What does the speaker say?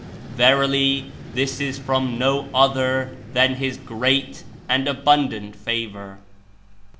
Verily, this Is from no other than His great and abundant favor."